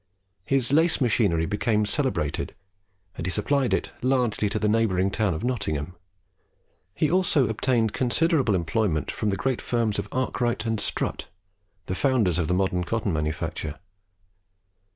His lace machinery became celebrated, and he supplied it largely to the neighbouring town of Nottingham; he also obtained considerable employment from the great firms of Arkwright and Strutt the founders of the modern cotton manufacture.